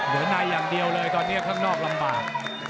เหลือในอย่างเดียวเลยตอนนี้ข้างนอกลำบาก